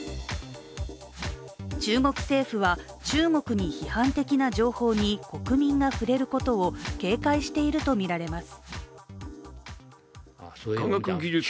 中国政府は、中国に批判的な情報に国民が触れることを警戒しているとみられます。